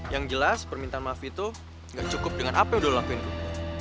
yang jelas permintaan maaf itu gak cukup dengan apa yang udah lo lakuin dulu